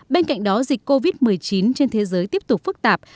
bên cạnh đó dịch covid một mươi chín trên thế giới tiếp tục phức tạp